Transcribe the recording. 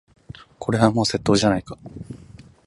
これはもう窃盗じゃないか。